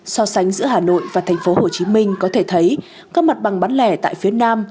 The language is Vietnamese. so sánh giữa hà nội và thành phố hồ chí minh có thể thấy các mặt bằng bán lẻ tại phía nam